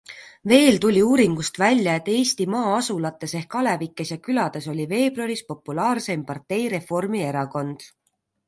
Veel tuli uuringust välja, et Eesti maa-asulates ehk alevikes ja külades oli veebruaris populaarseim partei Reformierakond.